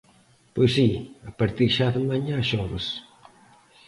Pois si, a partir xa de mañá xoves.